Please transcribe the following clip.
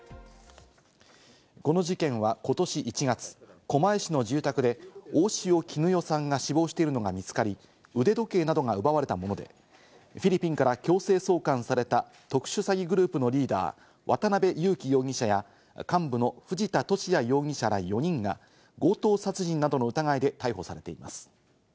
この事件は１月、狛江市の住宅で大塩衣与さんが死亡しているのが見つかり、腕時計などが奪われたもので、フィリピンから強制送還された特殊詐欺グループのリーダー・渡辺優樹容疑者や、幹部の藤田聖也容疑者ら４人が強盗殺人などの疑いで逮捕されています。